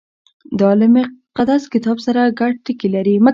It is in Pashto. • دا له مقدس کتاب سره ګډ ټکي لري.